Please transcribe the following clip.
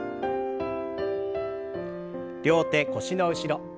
両手腰の後ろ。